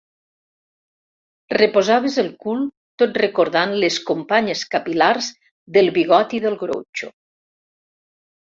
Reposaves el cul tot recordant les companyes capil·lars del bigoti de Groucho.